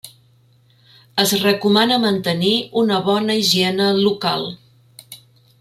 Es recomana mantenir una bona higiene local.